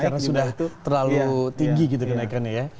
karena sudah terlalu tinggi gitu kenaikannya ya